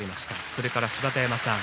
それから芝田山さん